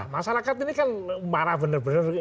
masyarakat ini kan marah bener bener